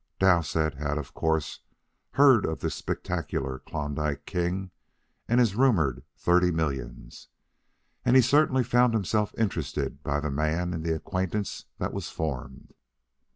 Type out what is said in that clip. Dowsett had of course heard of the spectacular Klondike King and his rumored thirty millions, and he certainly found himself interested by the man in the acquaintance that was formed.